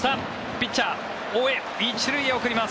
ピッチャー、大江１塁へ送ります。